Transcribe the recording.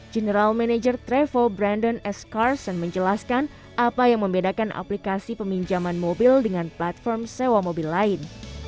general manager trevo brandon s karson menjelaskan apa yang membedakan aplikasi peminjaman mobil dengan platform sewa mobil lain